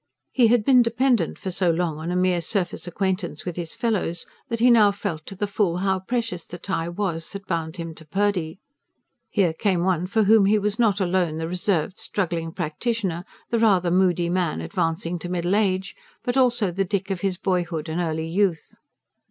He had been dependent for so long on a mere surface acquaintance with his fellows, that he now felt to the full how precious the tie was that bound him to Purdy. Here came one for whom he was not alone the reserved, struggling practitioner, the rather moody man advancing to middle age; but also the Dick of his boyhood and early youth.